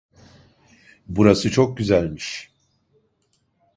Burası çok güzelmiş.